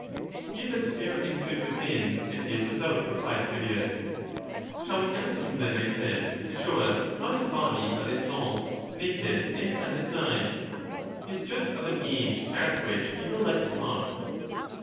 He is as fair and good within, as he is without, replied Critias. Shall we ask him then, I said, to show us, not his body, but his soul, naked and undisguised? he is just of an age at which he will like to talk.